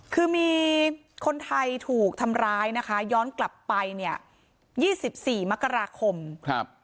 คือมีคนไทยถูกทำร้ายนะคะย้อนกลับไปเนี่ยยี่สิบสี่มกราคมครับ